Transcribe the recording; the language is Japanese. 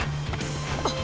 あっ！